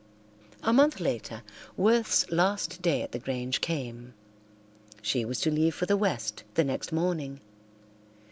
A month later Worth's last day at the Grange came. She was to leave for the West the next morning.